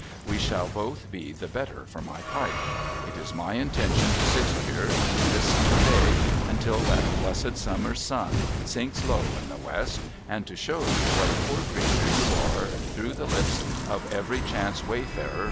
We shall both be the better for my pipe. It is my intention to sit here through this summer day, until that blessed summer sun sinks low in the west, and to show you what a poor creature you are, through the lips of every chance wayfarer v.'